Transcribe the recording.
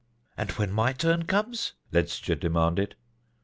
"And when my turn comes?" Ledscha demanded.